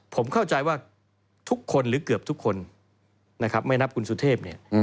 ผมเข้าใจว่าทุกคนหรือเกือบทุกคนนะครับไม่นับคุณสุเทพเนี่ย